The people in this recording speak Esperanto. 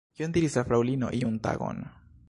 Kion diris la fraŭlino iun tagon?